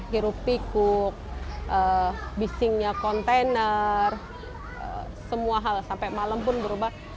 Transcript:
hirup pikuk bisingnya kontainer semua hal sampai malam pun berubah